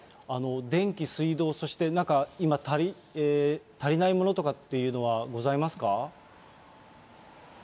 電気、水道、そしてなんか今、足りないものとかっていうのはございますか？